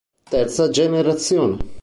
Terza generazione